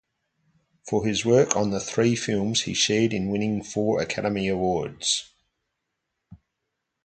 For his work on the three films, he shared in winning four Academy Awards.